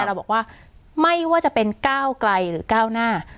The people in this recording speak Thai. เราบอกว่าไม่ว่าจะเป็นก้าวไกลหรือก้าวหน้า